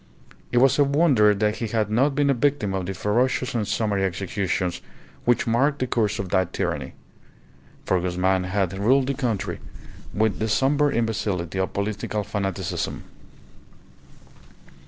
It was a wonder that he had not been a victim of the ferocious and summary executions which marked the course of that tyranny; for Guzman had ruled the country with the sombre imbecility of political fanaticism.